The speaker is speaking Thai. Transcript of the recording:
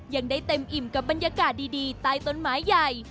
ยังได้เต็มอิ่มกับบรรยากาศดีใต้ต้นไม้ใหญ่